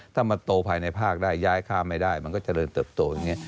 ถ้ามันโตภายในภาคได้ย้ายค่าไม่ได้มันก็เจริญเติบโตอย่างนี้